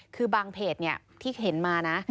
คือบางเพจที่เห็นมานะ